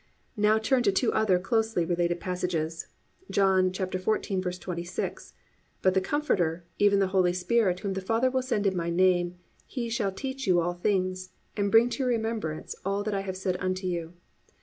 (3) Now turn to two other closely related passages. John 14:26. +"But the comforter, even the Holy Spirit, whom the Father will send in my name, he shall teach you all things, and bring to your remembrance all that I have said unto you."